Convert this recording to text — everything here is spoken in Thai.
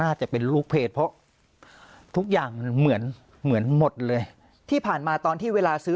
จะเป็นลูกเพจเพราะทุกอย่างมันเหมือนเหมือนหมดเลยที่ผ่านมาตอนที่เวลาซื้อ